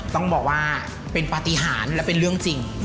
ต้องบอกว่าเป็นปฏิหารและเป็นเรื่องจริง